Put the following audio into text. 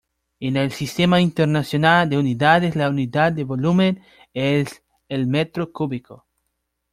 En el Sistema Internacional de Unidades la unidad de volumen es el metro cúbico.